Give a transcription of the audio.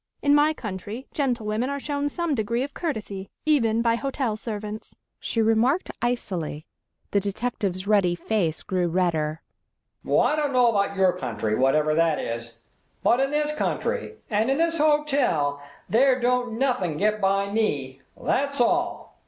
In my country gentlewomen are shown some degree of courtesy, even by hotel servants," she remarked icily. The detective's ruddy face grew redder. "Well, I dunno about your country, whatever that is. But in this country, and in this hotel there don't nothin' get by me. That's all.